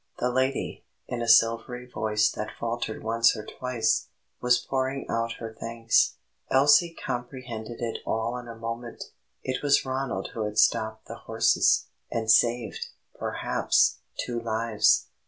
The lady, in a silvery voice that faltered once or twice, was pouring out her thanks. Elsie comprehended it all in a moment; it was Ronald who had stopped the horses, and saved, perhaps, two lives.